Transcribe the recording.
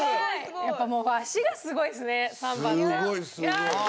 やっぱもう足がすごいですねサンバって。